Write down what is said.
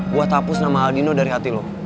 buat hapus nama aldino dari hati lo